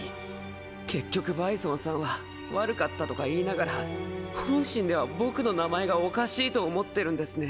結局バイソンさんは悪かったとか言いながら本心では僕の名前がおかしいと思ってるんですね。